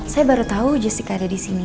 saya baru tau jessica ada disini